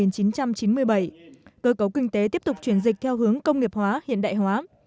cơ cấu kinh tế tiếp tục chuyển dịch theo hướng công nghiệp hóa hiện đại hóa